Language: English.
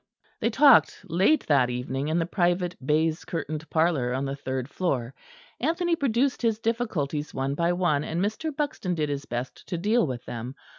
They talked late that evening in the private baize curtained parlour on the third floor. Anthony produced his difficulties one by one, and Mr. Buxton did his best to deal with them.